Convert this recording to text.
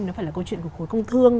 nó phải là câu chuyện của công thương